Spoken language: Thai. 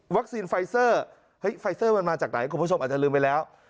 ไฟเซอร์เฮ้ยไฟเซอร์มันมาจากไหนคุณผู้ชมอาจจะลืมไปแล้ว